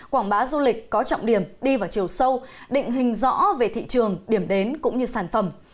quảng bá du lịch có trọng điểm đi vào chiều sâu định hình rõ về thị trường điểm đến cũng như sản phẩm